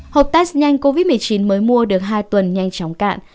hộp test nhanh covid một mươi chín mới mua được hai tuần nhanh chóng cạn